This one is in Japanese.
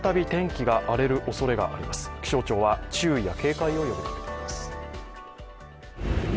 気象庁は注意や警戒を呼びかけています。